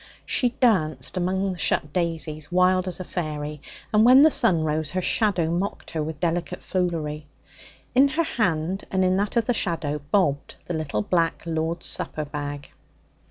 She danced among the shut daisies, wild as a fairy, and when the sun rose her shadow mocked her with delicate foolery. In her hand, and in that of the shadow, bobbed the little black Lord's Supper bag.